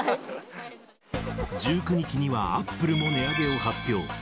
１９日にはアップルも値上げを発表。